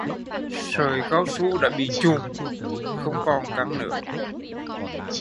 Sợi cao su đã bị chùn, không còn căng nữa